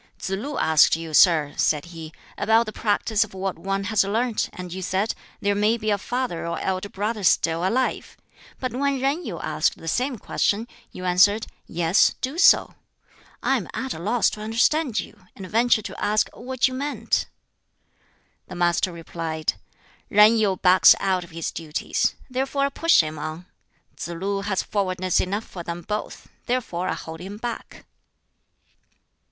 "Tsz lu asked you, sir," said he, "about the practice of what one has learnt, and you said, 'There may be a father or elder brother still alive'; but when Yen Yu asked the same question, you answered, 'Yes, do so.' I am at a loss to understand you, and venture to ask what you meant." The Master replied, "Yen Yu backs out of his duties; therefore I push him on. Tsz lu has forwardness enough for them both; therefore I hold him back."